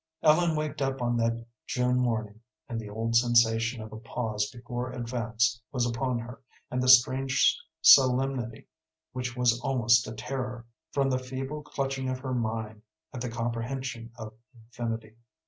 Ellen waked up on that June morning, and the old sensation of a pause before advance was upon her, and the strange solemnity which was almost a terror, from the feeble clutching of her mind at the comprehension of infinity.